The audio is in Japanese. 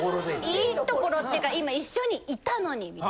いいところっていうか今一緒にいたのに。